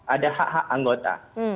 ada hak hak anggota